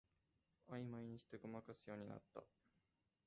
あいまいにしてごまかすようになった